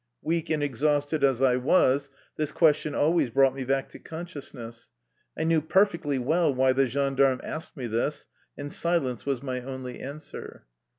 Weak and exhausted as I was, this question always brought me back to consciousness. I knew perfectly well why the gendarme asked me this, and silence was my only answer.